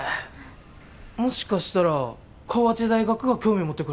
もしかしたら河内大学が興味持ってくれるかも。え？